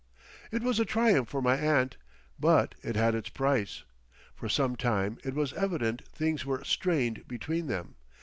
It was a triumph for my aunt, but it had its price. For some time it was evident things were strained between them.